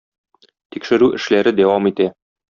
Тикшерү эшләре дәвам итә.